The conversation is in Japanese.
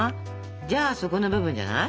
じゃあ底の部分じゃない？